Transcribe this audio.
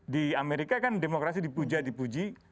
di amerika kan demokrasi dipuja dipuji